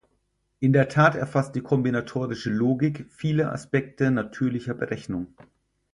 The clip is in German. In der Tat erfasst die kombinatorische Logik viele Aspekte natürlicher Berechnung.